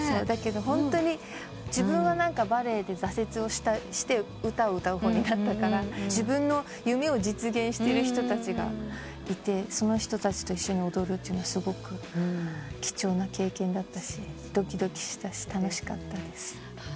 だけどホントに自分はバレエで挫折をして歌を歌う方になったから自分の夢を実現してる人たちがいてその人たちと一緒に踊るっていうのはすごく貴重な経験だったしドキドキしたし楽しかったです。